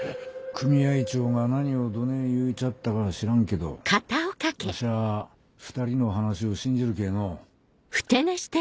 組合長が何をどねぇ言うちゃったか知らんけどわしは２人の話を信じるけぇの。